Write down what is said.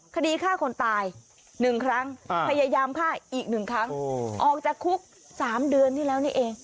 คดีฆ่าคนตาย๑ครั้งพยายามฆ่าอีก๑ครั้งออกจากคุก๓เดือนที่แล้วนี่เอง